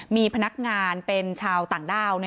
มีพนักงานเป็นชาวต่างด้าว